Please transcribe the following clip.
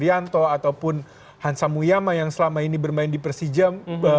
atau juga iranto ataupun hansa muyama yang selama ini bermain di persijam